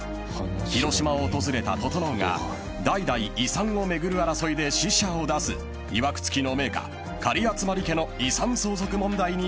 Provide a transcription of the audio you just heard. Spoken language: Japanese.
［広島を訪れた整が代々遺産を巡る争いで死者を出すいわく付きの名家狩集家の遺産相続問題に巻き込まれていく］